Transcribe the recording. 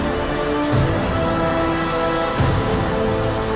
aku dulu baca yang kamu katakan